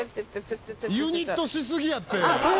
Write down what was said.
「ユニットしすぎやって！」